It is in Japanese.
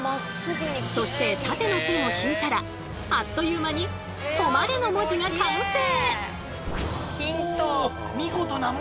そして縦の線を引いたらあっという間に「止まれ」の文字が完成！